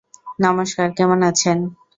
নমস্কার, কেমন আছেন?